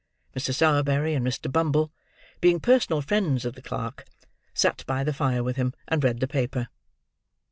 Mr. Sowerberry and Bumble, being personal friends of the clerk, sat by the fire with him, and read the paper.